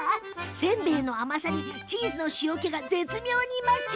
せんべいの甘さにチーズの塩けが絶妙にマッチ。